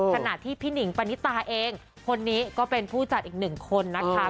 ขณะที่พี่หนิงปณิตาเองคนนี้ก็เป็นผู้จัดอีกหนึ่งคนนะคะ